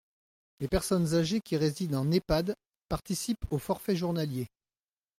Les personnes âgées qui résident en EHPAD participent au forfait journalier.